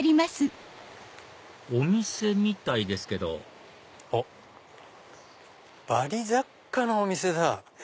お店みたいですけどバリ雑貨のお店だ。